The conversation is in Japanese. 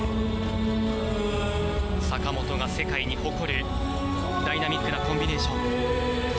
坂本が世界に誇るダイナミックなコンビネーション。